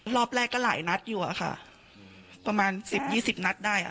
รอบแรกก็หลายนัดอยู่ประมาณ๑๐๒๐นัดได้